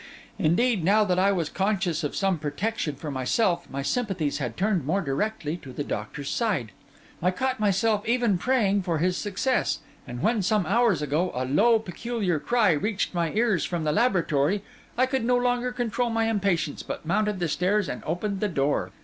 Indeed, now that I was conscious of some protection for myself, my sympathies had turned more directly to the doctor's side; I caught myself even praying for his success; and when some hours ago a low, peculiar cry reached my ears from the laboratory, I could no longer control my impatience, but mounted the stairs and opened the door.